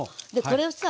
これをさ